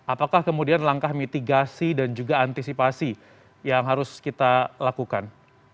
apakah kemudian langkah mitigasi dan juga antisipasi yang harus kita lakukan